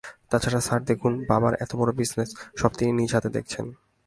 তাছাড়া স্যার দেখুন, বাবার এত বড় বিজনেস, সব তিনি নিজে দেখছেন।